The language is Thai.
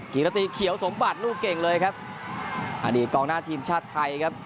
กิรติเขียวสมบัติลูกเก่งเลยครับอดีตกองหน้าทีมชาติไทยครับ